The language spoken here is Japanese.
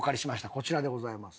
こちらでございます。